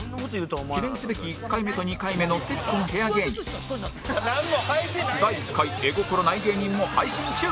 記念すべき１回目と２回目の徹子の部屋芸人第１回絵心ない芸人も配信中